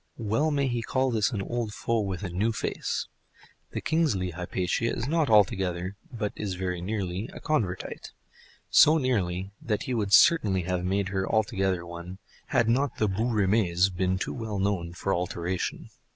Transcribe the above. Well may he call this an old foe with a new face! The Kingsley Hypatia is not altogether, but is very nearly a Convertite; so nearly that he would certainly have made her altogether one, had not the bouts rime's been too well known for alteration.